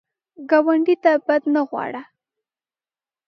ګاونډي ته بد نه غواړه